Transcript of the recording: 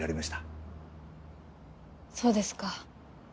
そうですか。